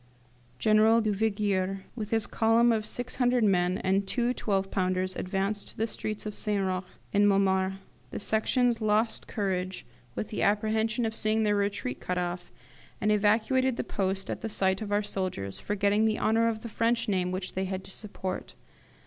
General Duvigier, with his column of six hundred men, and two twelve pounders, advanced to the streets of St. Roch and Montmartre. The Sections lost courage with the apprehension of seeing their retreat cut off, and evacuated the post at the sight of our soldiers, forgetting the honour of the French name which they had to support.